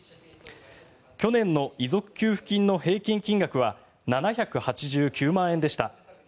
去年の遺族給付金の平均金額は７８９万円でした。